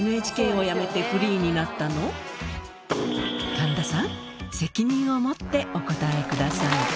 神田さん責任を持ってお答えください